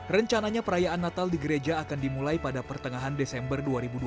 rencananya perayaan natal di gereja akan dimulai pada pertengahan desember dua ribu dua puluh